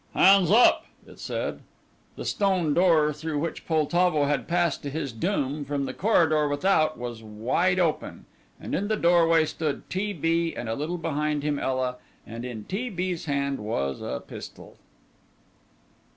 "Hands up!" it said. The stone door, through which Poltavo had passed to his doom from the corridor without, was wide open, and in the doorway stood T. B. and a little behind him Ela, and in T. B.'s hand was a pistol.